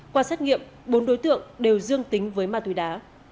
qua xét nghiệm bốn đối tượng đều dương tính với ma túy đá